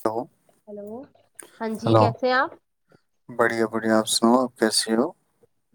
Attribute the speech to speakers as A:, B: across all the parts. A: hello
B: hello ہاں جی
A: hello
B: کیسے ہیں آپ
A: بڑھیا بڑھیا آپ سنو آپ [unintelligible] کسیلو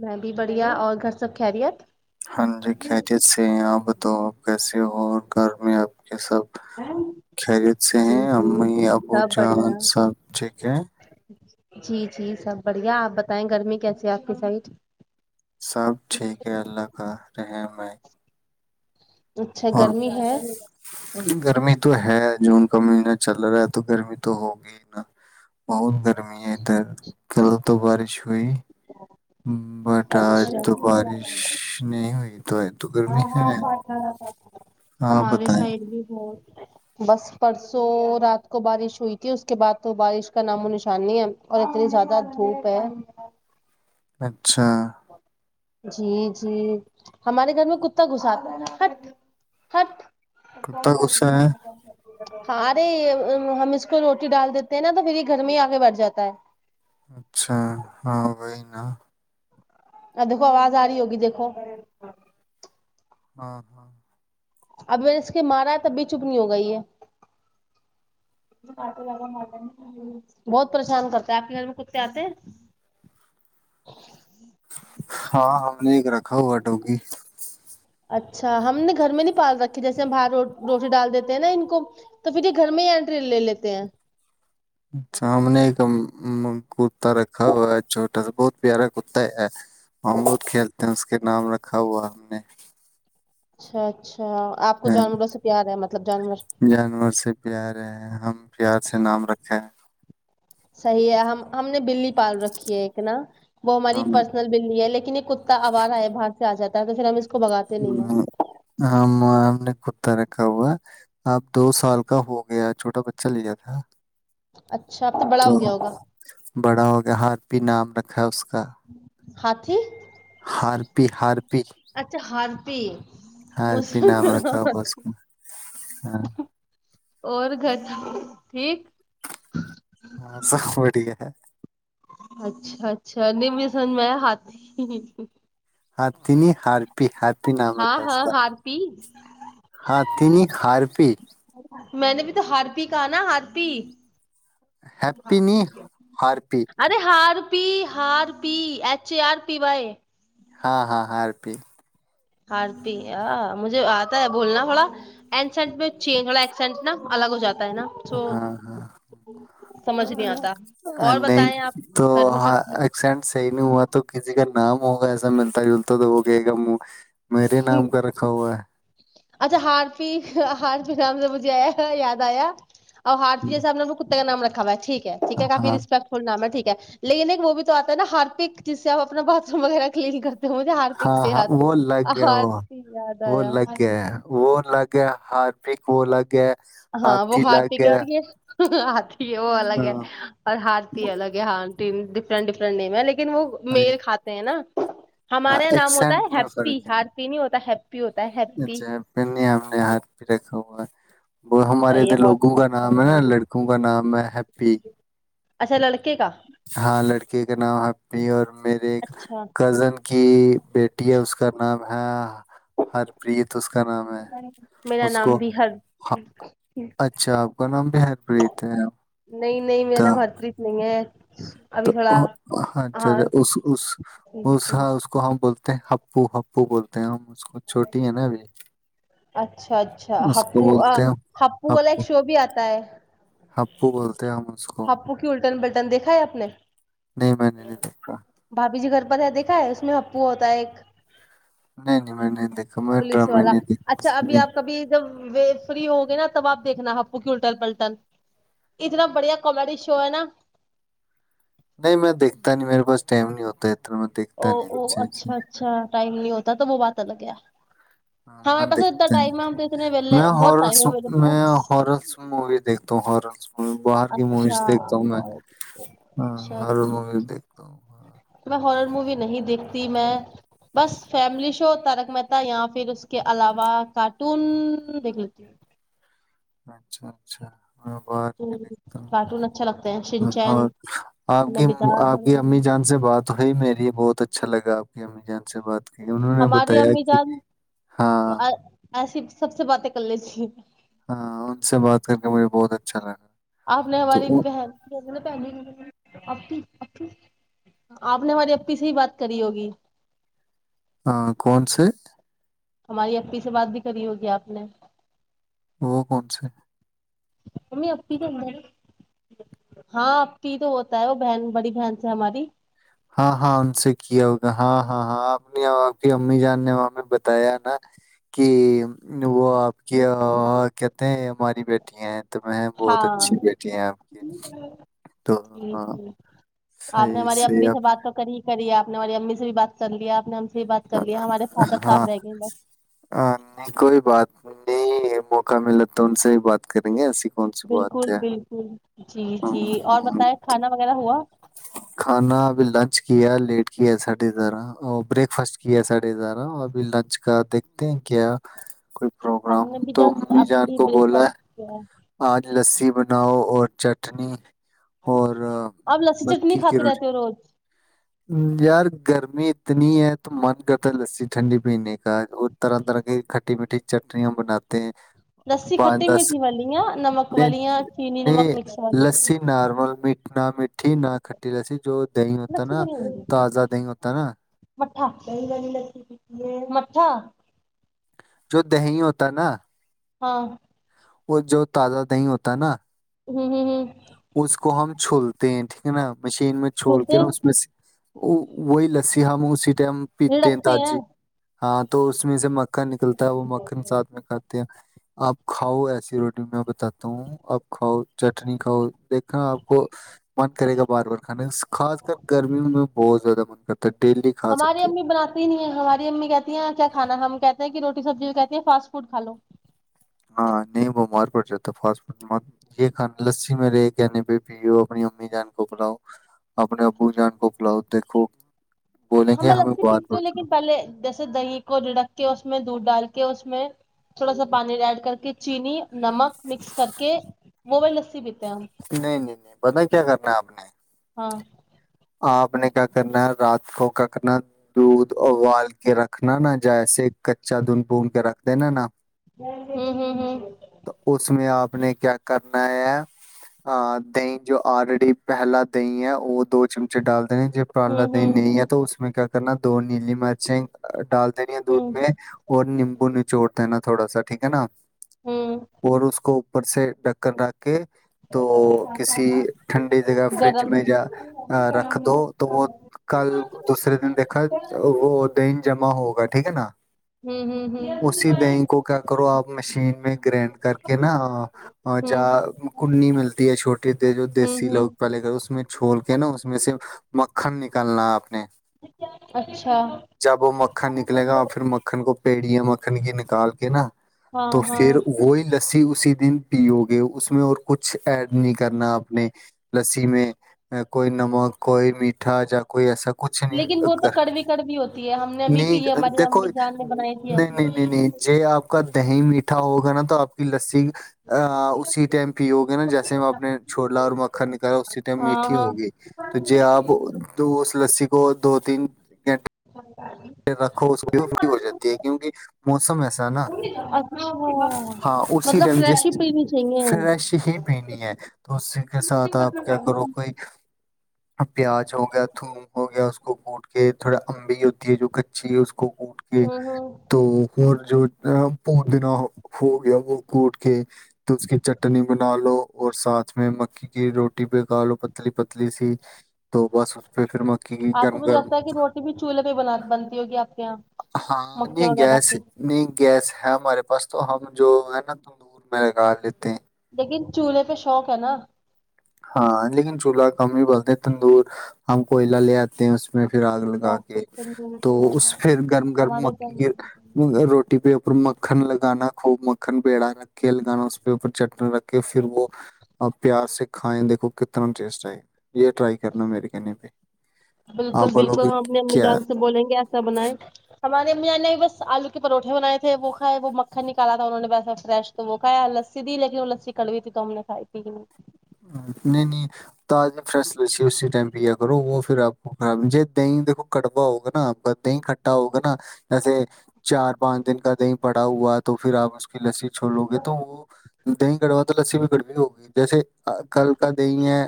B: میں بھی بڑھیا اور گھر سب کھہرییا
A: ہاں جی کہتیت سے آ تو آپ کیسے ہو گھر میں آپ سب خریت سے
B: جی
A: ہیں
B: جی
A: امی ابو
B: سب
A: جان
B: بڑھیا
A: سب جیک ہیں
B: جی جی سب بڑھیا آپ بتائیں گرمی کیسی ہے آپ کی سائڈ
A: سب ٹھیک ہے اللہ کا رہ میں
B: اچھا گرمی ہے
A: گرمی تو ہے جون کا مہینہ چل رہا ہے تو گرمی تو ہوگی ہی نا بہت گرمی ہے ادھر کل تو بارش ہوئی ہوں بٹ آج
B: اچھا
A: تو بارش نہیں ہوئی تو آ تو گرمی ہے ہاں
B: ہمارے
A: بتائیں
B: سائڈ بھی بہت بس پرسوں رات کو بارش ہوئی تھی اس کے بعد تو بارش کا نام و نشان نہیں ہے اور اتنی زیادہ دھوپ ہے
A: اچھا
B: جی جی ہمارے گھر میں کتا گھساتا تھا ہٹ ہٹ کوم
A: کتا
B: کرد
A: غصہ ہے
B: ن کوم کر [unintelligible] ہاں ارے ہم اس کو روٹی ڈال دیتے ہیں نا تو پھر ہی گھر میں ہی آگے بڑھ جاتا ہے
A: اچھا وہی ہاں
B: ا دیکھو آواز آ رہی ہوگی دیکھو
A: ہاں ہاں
B: اب اس کے مارا ہے تب بھی چپ نہیں ہو گئی ہے بہت پریشان کرتے ہے آپ کے گھر میں کتے آتے ہیں
A: ہاں ہم نے ایک رکھا ہوا ٹوکی
B: اچھا ہم نے گھر میں نہیں پال رکھی جیسے ہم باہر روٹی ڈال دیتے ہیں نا ان کو تو پھر یہ گھر میں ہی اینٹری لے لیتے ہیں
A: سامنے کا کتا رکھا ہوا ہے چھوٹا سا بہت پیارا کرتا ہے اور ہم بہت کھیلتے ہیں اس کے نام رکھا ہوا ہم نے
B: اچھا اچھا آپ کو
A: ہ
B: جانوروں سے پیار ہے مطلب جانور
A: جانور سے پیارے ہے ہم پیار سے نام رکھے ہیں
B: صحیح ہے ہم ہم نے بلی پال رکھی ہے ایک نا وہ ہماری
A: ہم
B: پرسنل بلی ہے لیکن یہ کتا آوا رہا ہے بھار کیا جاتا تو پھر ہم اس کو بھگاتے نہیں ہیں
A: ہ آ آم نے کتار [unintelligible] ہوا اپ دو سال کا ہو گیا چھوٹا بچہ لیا تھا
B: اچھا اپ تو بڑا ہو گیا ہوگا
A: ہات بھی نام رکھا ہے اس کا س [unintelligible]
B: ہاتھی
A: ہار پی ہار
B: اچھا ہر ت [unintelligible]
A: ہاں پ نام رکھ ب اس کو ہاں
B: اور گھر ٹھیک
A: ہاں سب بڑھیا ہے
B: اچھا اچھا نہیں ن میں ہاتاتھی
A: سات تنی ہات [unintelligible] ہیپی نام
B: ہاں
A: رکھا اس
B: ہاں
A: کا
B: ہارپی
A: ہاں ت ہارپی
B: میں نے بھی ہارپ کا نا ہارپی
A: ہیپی نہیں ہارپی
B: پی ہار پ ایےر پی بائی
A: ہاں ہاں ہر پی
B: ہارتی ہ مجھے آتا ہے بولنا تھوڑا اسینٹ میں ا تھڑا ایکسینٹ نا الگ ہو جاتا ہے نا سو
A: ہاں ہاں
B: سمجھ نہیں آتا اور
A: نہیں
B: بتائیں
A: تو
B: آپ گھر میں سب
A: ہاں
B: ٹھیک
A: ایکسیڈٹ صحی نہیں ہوا تو کسییکل نام ہوگ ایسم ملتالت تو ہوگے گ م میرے نام کا رکھا ہوا ہے
B: اچھا ہارپی ہارپی نام سے مجھے آیا یاد آیا اور ہار
A: ہے
B: جسام کو کا نام رکھا ٹھیک ٹیک ہے کافی
A: ہاں
B: رسپیکٹ فل نام ہےٹھیک لیکن ایک وہ بھی تو آتا ہے نا ہارپک جس سے آپ اپنا باتھ روم وغیرہ کلین کرتے ہو مجھے ہارپک
A: ہاں
B: سے
A: ہاں
B: یاد
A: وہ الگ
B: آیا،
A: لیا وہ
B: ہارپی یاد
A: وہ لگ
B: آیا
A: گیا ہے وہ الگ ہے ہاربک وہ الگ ہے
B: ہاں وہ ہارپک ہے اور یہ ہ آ [unintelligible] وہ الگ ہے اور ہارتی الگ ہے ہاں ڈفرنٹ ڈفرنٹ نم ہے لیکن وہ میل کھاتے ہیں نا ہمارے یہاں نام ہوتا ہے ہیپی ہارپی نہیں ہو صح [unintelligible]
A: ا ج پ آمنے ہاتھ پ رکھاا وہ ہمارے
B: صحیح ہے
A: ادھر
B: بہت
A: لوگوں کا
B: اچھا
A: نام ہے نا لڑکوں کا نام محپی
B: اشا ل لک [unintelligible]
A: ہاں لڑکی کا نام آ پیر میرے
B: اچھا
A: کزن کی بیٹی ہے اس کا نام ہے ہرپریت اس کا نام ہے
B: میرا
A: اس
B: نام
A: کو
B: بھی ہر
A: اچھا آپ کا نام بھی ہرپریت ہے
B: نہیں نہیں میرا نام ہرپریت نہیں ہے
A: تو
B: ابھی تھوڑا
A: اچھا
B: ہاں
A: ا اس اس اس کو ہم بولتے ہیں او ہپو بولتے ہیں اس کو چھوٹی ہے نا ابھی
B: اچھا اچھا
A: اس کو
B: ہپو
A: بولتے ہیں
B: ہپو والا ایک شو بھی آتا ہے
A: ہپو ب
B: ہپو کی الٹن بے دیکھا ہے آپ نے
A: نہیں میں نے نہیں دیکھا
B: ت دیکھا ہے اس میں ہپو ہوتا ہے ایک
A: نہیں نہیں میں نہیں دیک
B: پولیس والا اچھا ابھی آپ کبھی جب و فری ہوگے نا تب آپ دیکنا ہ آپو کی الٹن پلٹن اتنا بڑھیا کامیڈی شو ہے نا
A: نہیں میں دیکھتا نہیں میرے پاس ٹائم نہیں ہوتا ہے اتنا میں
B: او
A: دیکھتا نہیں
B: او اچھا اچھا ٹائم نہیں ہوتا تو وہ بات لگ گیا
A: ہاں میں دیکھتا ہیں
B: ویلے
A: میں
B: بہت
A: ہلس
B: ٹائم ہے میرے
A: میں
B: پاس
A: ہلس مووی دیکھتا ہوں ہلس می باہر کی موویز
B: اچھا
A: دیکھتا ہوں میں
B: اچھا
A: ہاں
B: اچھا
A: ہر موویز دیکھتا ہوں ہاں
B: ہر مووی نہیں دیکھتی میں بس فیملی شو تارک متا یا پھر اس کے علاوہ کارٹون دیکھ لیتی ہ
A: اچھا اچھا ہ بر کے
B: ہوں
A: نکتا
B: کارٹون اچھا لگتا ہے
A: اور
B: شنچین
A: آپ
B: میں
A: کی
B: بیچارہ
A: آپ کی
B: ڈورمون
A: امی جان سے بات ہوئی میری بہت اچ اچھا لگا آپ کے امی جان ا سے بات کی انہوں نے
B: ہماری
A: بتایا
B: امی
A: کہ
B: جان
A: ہاں
B: ایسی سب سے باتیں کر لیجیے
A: ہاں ان سے بات کر کے مجھے بہت اچھا لگا
B: آپ نے ہماری
A: تو
B: بہن پہ آ کی آپ نے ہماری اپی سے ہی بات کری ہوگی
A: ہاں کون سے
B: ہماری اپی سے بات بھی کری ہوگی آپ نے
A: وہ کون سےا
B: امی ا تو ہاں اپی تو ہوتا ہے وہ بہن بڑی بہن سے ہماری
A: ہاں ہاں ان سے کیا ہوگا ہاں ہاں ہاں امی جان نے بتایا نا کہ [inaudible] وہ آپ کے کیا [unintelligible] ہماری بیٹیاں ہیں [unintelligible] تو میں بہت
B: ہاں
A: اچھی بیٹی ہیں آپ کی تو ہاں
B: ٹھیک آپ نے
A: صحیح
B: ہماری
A: صحیح
B: اپپی
A: آپ
B: سے بات تو کری آپ نے ہماری امی سے بھی بات کر لیا آپ نے ہم سے بھی بات کر لیا ہمارے فادر صاحب رہ گئے بس
A: ہاں نہیں کوئی بات [unintelligible] نہیں موقع ملا تو ان سے بھی بات کریں گے ایسی کوئی
B: بالکل بالکل جی جی اور بتائے کھانا وغیرہ ہوا
A: کھانا ابھی لنچ کیا لیٹ کیا ساڑھے بارہ اور بریک فاسٹ کیا ساڑھے بارہ اور ابھی لنچ کا دیکھتے ہیں کیا کوئی
B: ہم
A: پروگرام
B: نے بھی
A: تو
B: جسٹ
A: ممی
B: ابھی
A: جان
B: ہی
A: کو
B: بریک
A: بولا
B: فاسٹ کیا ہے
A: آج لسی بناؤ اور چٹنی اور
B: آپ لسی چٹنی
A: مکی کی
B: کھاتے رہتے ہو روز
A: روٹی یار گرمی اتنی ہے تو من کرتا ہے لسی ٹھنڈی پینے کا اور طرح طرح کی کھٹی میٹھی چٹنیاں بناتے ہیں
B: لسی
A: پانچ
B: کھٹی
A: دس
B: میٹھی والی یا نمک
A: نہیں
B: والی یا چینی نمک مکس والی
A: ہاں میٹھی نہ کھٹی لسی جو دہی ہوتا ہے
B: لسی
A: نا
B: کیوں نہیں
A: تازہ دہی ہوتا ہے نا
B: اچھا
A: جو دہی ہوتا ہے نا
B: ہاں
A: وہ جو تازہ دہی ہوتا ہے نا
B: ہمم ہمم ہمم
A: اس کو ہم چھولتے ہیں ٹھیک ہے نا مشین میں چھول کے
B: چھولتے
A: نا اس میں سے وہی لسی ہم اسی ٹایٹم پیتے ہیں ہاں تو اس میں اس میں سے مکھن نکلتا ہے وہ مکھن ساتھ میں کھاتے ہیں آپ کھاؤ ایسی روٹی میں بتاتا ہوں آپ کھاؤ چٹنی کھاؤ دیکھنا آپ کو من کرے گا بار بار کھانے کا خاص کر گرمیوں میں بہت زیادہ من کرتا ہے ڈیلی کھا
B: ہماری
A: سکتے ہو
B: امی بناتی نہیں ہے ہماری امی کہتی ہیں کیا کھانا ہم کہتے روٹی سبزی کو کہتی ہے فاسٹ فوڈ کھا لو
A: ہاں نہیں بمار پڑ جاتا فاٹ فڈ یہ کھانا لسی میں رہے کہنے پہ پیو اپنی امی جان کو پلاؤ اپنے ابو جان کو پلاؤ دیکھو بولیں
B: ہاں
A: گے
B: میں
A: ہمیں
B: لسی پیتی ہوں
A: بات
B: لیکن پہلے جیسے دہی کو جھڑک کے اس میں دودھ ڈال کے کے اس میں تھوڑا سا پانی دال کر کے چینی نمک مکس کر کے وہ والی لسی پیتی
A: نہیں نہیں نہیں پتا ہے کیا کرنا ہے آپ نے
B: ہاں
A: آپ نے کیا کرنا ہے رات کو کیا کرنا دودھ ابال کے رکھنا نا جیسے کچا دھن بھون کے رکھ دینا نا
B: ہمم ہمم ہمم
A: ہم نے کیا کرنا ہے دہی جو آلریڈی پہلا دہی ہے وہ دو چم چ ڈال جب پارلا
B: ہوں
A: دین
B: ہوں
A: نہیں ہے تو اس میں کیا کرنا دون نیلی مرچیں ڈال دینی ہے دودھ
B: ہوں
A: میں اور نیمبو نچوڑ ہےا تھوڑا سا ٹیک ہے نا
B: ہوں
A: اور اس کو اپر سے ڈکر ر کے تو کسی ٹھنڈی جگہ
B: ہوں
A: فریج
B: گرم
A: میں
B: ہوں
A: جا
B: ہوں
A: رکھ دو تو وہ کل دوسرے دن دیکھا وہ د جمع ہوگا ٹھیک ہے نا
B: ہوں
A: اسی دہی کو کیا کرو آپ مشین میں گرنڈ کر کے نہا ہ ج
B: ہوں
A: [unintelligible] کنی ملتی ہے چھوٹی کہ تھے جو
B: ہوں
A: دیسی لوگ
B: ہوں
A: پہلے کر اس میں چھول کیا نا اس میں سے مکھن نکالنا اپنے
B: اچھا
A: جب وہ مکھن نکلے گا اور پھر مکھن کو پیڑیا مکھن کی نکال کے نہا
B: ہاں
A: تو
B: ہاں
A: پھر وہی ن اسی دن پیو گے اس میں اور کچھ کچھ ایڈ نہیں کرنا اپنے لسی میں کوئی نمک کوئی میٹھا یا کوئی ایسا کچھ نہیں
B: لیکن وہ تو
A: کر
B: کڑوی کڑوی ہوتی ہے ہم نے ابھی پی
A: نہیں
B: ہماری
A: دیکھو
B: امی جان نے بنائی کیا
A: نہیں نہیں نہیں نہیں ج آپ کا دہی میٹھا ہوگا نا تو آپ کی لسی ا اسی ٹائم پیو گے نا جیسے میں اپ نے چھو لا اور مکھن نکالا اسی ٹائم میٹ
B: ہاں
A: ا ہوگی تو ج آپ اس لسی کو دو تین ہمس سے [unintelligible]
B: ہاں
A: رکھو فری ہو جاتی ہے کیونکہ موسم ایسا نا
B: اچھا
A: ہاں اسی
B: مطلب
A: ٹائم
B: فریش
A: جس
B: ہی پینی چاہیے ہوں
A: فریش ہی پینی ہے تو اسی کے ساتھ آپ کیا کرو کوئی پیاز ہو گیا تھوم ہو گیا اس کوٹ کے تھوڑا امبی ہوتی ہے جو کچی کو اٹ کے
B: ہوں
A: تو ہو جو ا پٹ دنا ہو گیا وہ کوٹ کے تو اس کی چٹنی بنا لو اور ساتھ میں مکھی کی روٹی پکاالو پتلی پتلی س تو بس پہ پھر مکی کی
B: آپ
A: گرم
B: تو مجھے
A: گرم
B: لگتا ہے کہ روٹی بھی چولہے پہ ب بنتی ہوگی آپ کے یہاں
A: ہاں
B: مکے
A: نہیں
B: وغیرہ
A: گیس
B: کی
A: نہیں گ س ہے ہمارے پاس تو ہم جو ہے نا تم دور میں لگا لیتے ہیں
B: لیکن چولہے پہ شوق ہے نا
A: ہاں لیکن چولہا کم ہی بولتے تندور ہم کوئلہ لے آتے ہیں اس اس میں پھر آگ لگا کے تو اس پھر گرم گرم
B: ہمارے
A: مکی کے روٹی پہ اوپر م مکھن لگانا خوب مکھن پڑا رکھ کے لگانا اس پ اوپر چٹنی رکھ کے پھر وہ پیاس سے کھیں دیکھو کتنا ٹیسٹ آئے گا یہ ٹرائی کرنا مے کہنی بائی
B: بالکل بالکل ہم اپنی امی جان سے بولیں گے ایسا بنائیں ہمارےمی نے بس آلو کے پروھے بنائے تھے وہ کھائے وہ مکھن نکالا تھا انہوں نے ویسا فریش تو وہ کایا لسی دی لیکن وہ لسی کڑوئی تھی تو ہم نے کھائی تھی نہیں
A: نہیں نہیں تج میں فریش ل اسی ٹائم پیا کرو وہ پھر آپ کو خرابج دہی دیکھو کڑوا ہوگا نا آپ کا دہی کھٹا ہوگا نا جیسے چار پانچ دن کا کہیں پڑا ہوا تو پھر آپ اس کی لسی چھوڑ لوگے تو وہ دہی گڑوا تو لسی بھی گڑوی ہوگی جیسے ہاں کل کا دی ہے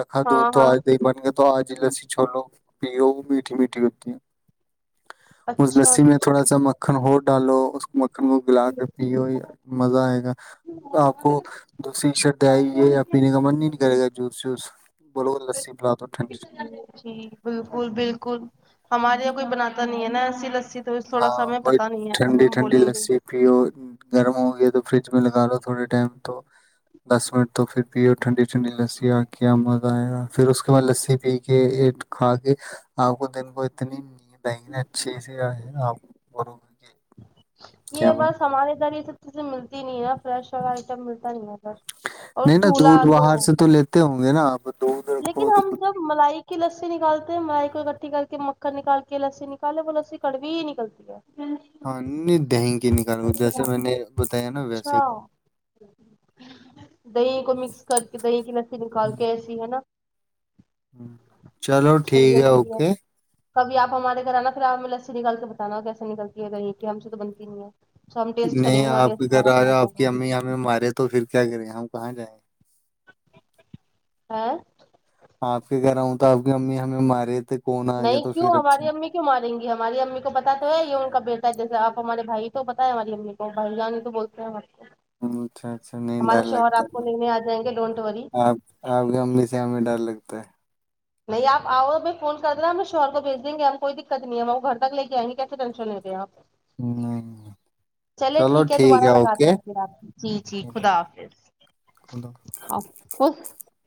A: رکھا دو
B: ہاں
A: تو
B: ہاں
A: آج دی بن گ تو آج لسی چھو لو پ وہ میٹھی میٹھی ہوتی ہے اس
B: اچھا
A: لسی میں تھوڑا سا مکھن ہوٹ ڈالو مکھن کو گلا کے پیو مزہ آئے گا آپ کو دوسری شر دئی یہ
B: اچھا
A: من ہی نہیں کرےا جوس جوس بول لسی پلا تو
B: جی بالکل بالکل ہمارے کوئی بناتا نہیں ہے نا اسسی لسی تو تھوڑا سا
A: ہاں
B: ہمیں
A: کوئی
B: پتا نہیں ہے اب
A: ٹھنڈی
B: ہم
A: ٹھنڈی
B: بولیں گے
A: لسی پیو گرموں تو فریج میں لگا لو تھوڑے ٹائم تو دس منٹ تو پھر پیو ٹھنڈی ٹھنڈی لسی آ کے مزہ آئے گا پھر اس کے بعد لسی پی کے کھا کے آپ کو دن کو اتنی ند دہن اچھی سی آ ہے بر کوکے [unintelligible]
B: یہ بس ہمارے در ک سے ملتی نہیں ہے فریشا آئٹم ملتا نہیں ہے سر اور
A: نہیں نا
B: چولہا
A: دودھ
B: تو
A: باہر سے لیتے ہوں گے نا آپ دودھ
B: لیکن
A: رکھو تو
B: ہم
A: خود
B: جب ملائی کی لسی نکالتے میں کوئی کٹھی کر کے مکھن نکال کے لسی نکال ل وہ لسی کڑوی ہی نکلتی ہے
A: ہاں نہیں دہنگی نہیں
B: اچھا
A: کھاؤ
B: دہی کو مکس کر کے دہی کی لسی نکال کے ایسی ہے ن [unintelligible] [inaudible]
A: ہ چلو ٹھیک ہے اوکے
B: کبھیپ ہمارےھر آنا پھر آ ہمیں لسی نکال کے بتانا کیسے نلتی ہے یہ کہ ہم سے تو بنتی ہی نہیں ہے سو ہم ٹیسٹ کریں گے
A: نہیں
B: تھوڑا
A: آپ کے
B: ٹیسٹ
A: گھر
B: ہمارا
A: آ
B: الگ
A: آپ
B: ہوگا
A: کی امی ہمیں مارے تو پھر کیا کریں ہم کہ جائائےیں
B: ہاں
A: آپ کے گھر آؤں تو آپ کی امی ہمیں مارے تھے کون آ گیا
B: نہیں
A: تو
B: کیوں
A: پھر اچھا
B: ہماری امی کیوں ماریں گی ہماری امی کو پتا تو ہے یہ ان کا بیٹا ہے جیسے آپ تو ہمارے بھائی تو پتا ہے ہماری امی کو بھائی جانانی تو بولتے ہیں ہم کو
A: اچھا اچھا نہیں
B: ہمارے
A: ڈر
B: شوہر
A: لگتا
B: آپ کو لینے آ جائیں گے ڈونٹ وری
A: آپ آپ کےم سے میں ڈر لگتا کت [unintelligible]
B: نہیں آپ آؤ میں فون کر رہا ہم شہر کو بھیج دیں گے ہم کوئی دقت نہیں ہے ہم وہ گھر تک لے کے آئ گے کیے ٹینشن لے رہے ہیں آپ
A: نہیں
B: چلے ٹھیک ہے دوبارہ لگاتے ہیں پھر آپ جی جی خدا حافظ
A: خدا
B: ہ